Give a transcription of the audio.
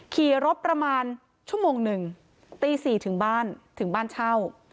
ขี่รถประมาณชั่วโมงหนึ่งตี๔ถึงบ้านถึงบ้านเช่า